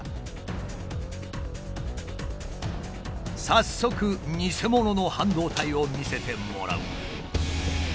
早速ニセモノの半導体を見せてもらう。